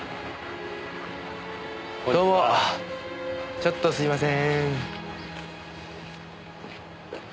ちょっとすみません。